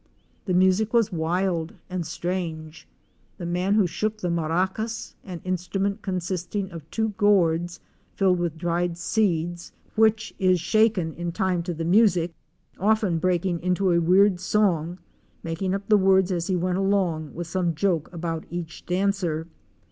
The music was wild and strange, the man who shook the maracas — an instrument consisting of two gourds filled with dried seeds which is shaken in time to the music — often breaking into a weird song, making up the words as he went along, with some joke about each dancer.